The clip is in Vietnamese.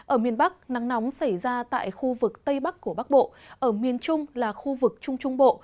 ở miền bắc nắng nóng xảy ra tại khu vực tây bắc của bắc bộ ở miền trung là khu vực trung trung bộ